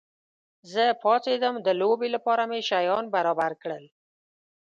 زه پاڅېدم، د لوبې لپاره مې شیان برابر کړل.